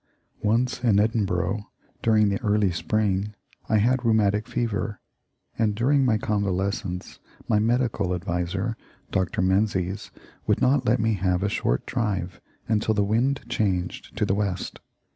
Once in Edinburgh, during the early spring, I had rheumatic fever, and during my convalescence my medical adviser, Dr. Menzies, would not let me have a short drive until the wind changed to the west.